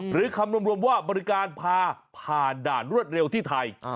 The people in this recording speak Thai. หรือคำรวมว่าบริการพาผ่านด่านรวดเร็วที่ไทย